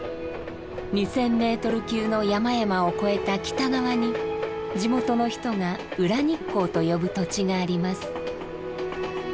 ２，０００ｍ級の山々を越えた北側に地元の人が「裏日光」と呼ぶ土地があります。